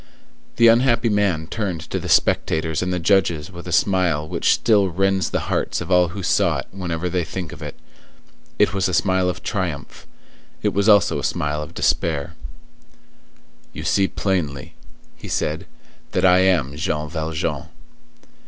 The unhappy man turned to the spectators and the judges with a smile which still rends the hearts of all who saw it whenever they think of it. It was a smile of triumph; it was also a smile of despair. "You see plainly," he said, "that I am Jean Valjean."